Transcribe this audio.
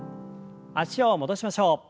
脚を戻しましょう。